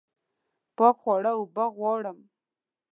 پاک خواړه اوبه غواړم